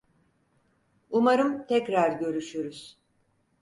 Umarım tekrar görüşürüz.